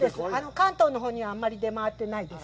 関東のほうにはあんまり出回ってないです。